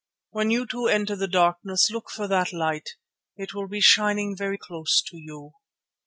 When you too enter the Darkness, look for that Light; it will be shining very close to you."